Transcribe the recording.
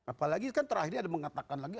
apalagi kan terakhirnya ada yang mengatakan lagi